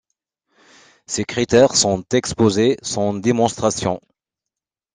Ces critères sont exposés sans démonstration.